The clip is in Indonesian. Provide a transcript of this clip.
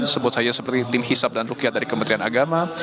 sebut saja seperti tim hisap dan rukyat dari kementerian agama